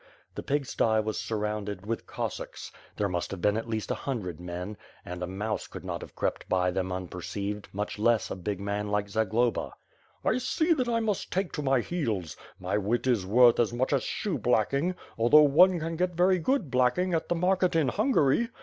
The pig sty was surrounded with ^36 WITU FIRE AND SWORD. Cossacks — ^there must have been at least a hundred men — and a mouse could no^ have crept by them unperceived, much less a big man like Zaglolm. "1 see that 1 must take to my heels. My wit is worth as much as shoeblacking, although one can get very good black ing at the market in Hungary.